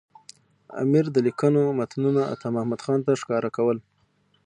امیر د لیکونو متنونه عطامحمد خان ته ښکاره کول.